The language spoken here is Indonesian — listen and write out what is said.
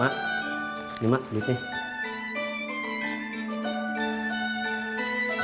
mak ini maksimalnya